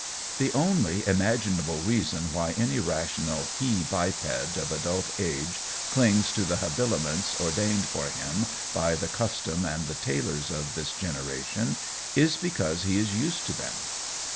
The only imaginable reason why any rational he biped of adult age clings to the habiliments ordained for him by the custom and the tailors of this generation, is because he is used to them.